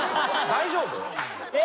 大丈夫？